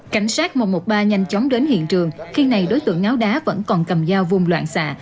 cảnh sát một trăm một mươi ba nhanh chóng đến hiện trường khi này đối tượng ngáo đá vẫn còn cầm dao vung loạn xạ